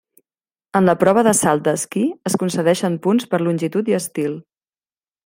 En la prova de salt d'esquí es concedeixen punts per longitud i estil.